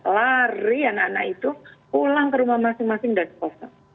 lari anak anak itu pulang ke rumah masing masing dan kosong